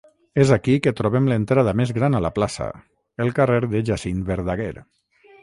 És aquí que trobem l'entrada més gran a la plaça, el carrer de Jacint Verdaguer.